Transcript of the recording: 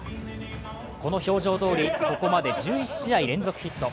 この表情どおりここまで１１試合連続ヒット。